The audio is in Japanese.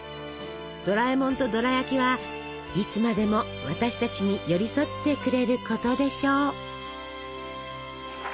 ドラえもんとドラやきはいつまでも私たちに寄り添ってくれることでしょう。